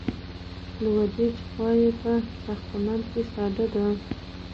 لویدیځه خوا یې په ساختمان کې ساده ده.